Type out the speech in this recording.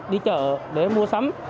đi chợ để mua sắm